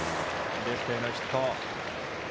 レフトへのヒット。